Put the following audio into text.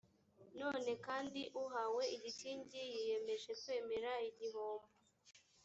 none kandi uhawe igikingi yiyemeje kwemera igihombo